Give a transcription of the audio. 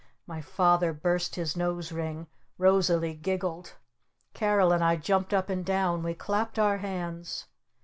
My Father burst his nose ring! Rosalee giggled! Carol and I jumped up and down! We clapped our hands!